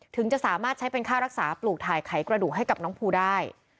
ถึงจะสามารถใช้เป็นค่ารักษาปลูกถ่ายไขกระดูกให้กับน้องภูได้